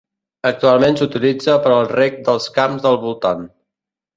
Actualment s'utilitza per al rec dels camps del voltant.